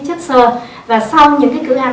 chất xơ và sau những cái cữ ăn